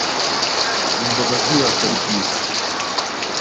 wumva amajwi yacu uri ku isi,